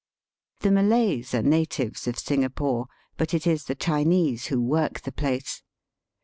The Malays are natives of Singapore, but it is the Chinese who work the place.